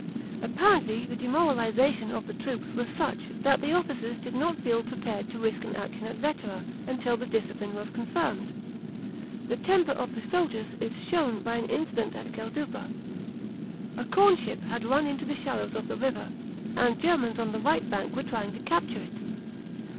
Apparently the demoralisa tion of the troops was such that the officers did not feel prepared to risk an action at Vetera, until the discipline was confirmed. The temper of the soldiers is shown by an incident at Gelduba. A corn ship had run into the shallows of the river, and Germans on the right bank were trying to capture it.